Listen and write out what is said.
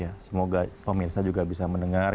ya semoga pemirsa juga bisa mendengar